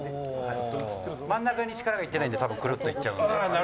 真ん中に力がいってないのでくるっといっちゃうので。